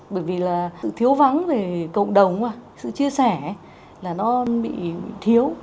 bởi vì là sự thiếu vắng về cộng đồng sự chia sẻ là nó bị thiếu